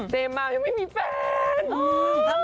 เจมมาแล้วยังไม่มีแฟน